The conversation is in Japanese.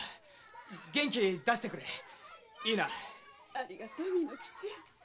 ありがとう巳之吉。